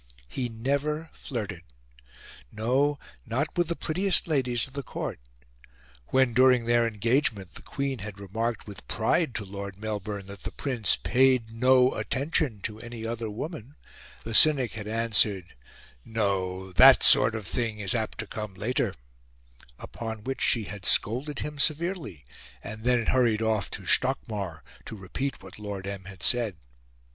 He never flirted no, not with the prettiest ladies of the Court. When, during their engagement, the Queen had remarked with pride to Lord Melbourne that the Prince paid no attention to any other woman, the cynic had answered, "No, that sort of thing is apt to come later;" upon which she had scolded him severely, and then hurried off to Stockmar to repeat what Lord M. had said.